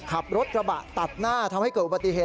ขับรถกระบะตัดหน้าทำให้เกิดอุบัติเหตุ